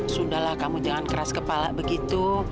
sudahlah kamu jangan keras kepala begitu